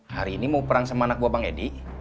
hari ini mau perang sama anak gua bang eddy